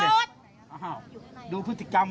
ดูผู้ตะมนต์พวกที่มียัลสัมผัส